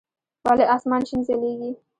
ولي اسمان شين ځليږي؟